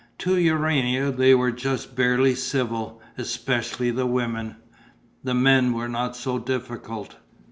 To Urania they were just barely civil, especially the women: the men were not so difficult.